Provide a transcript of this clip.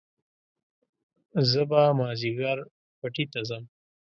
زه به مازيګر پټي ته ځم